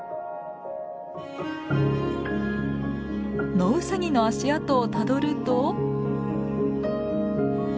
ノウサギの足跡をたどると。